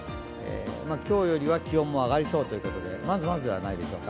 今日よりは気温も上がりそうということで、まずまずではないでしょうか。